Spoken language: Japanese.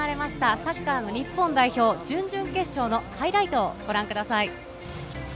サッカーの日本代表、準々決勝のハイライトをご覧ください。